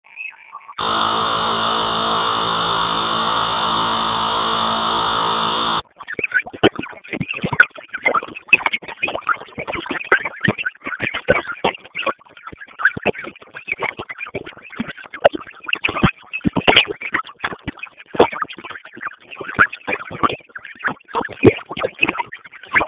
Bahati anabaguliwa kazini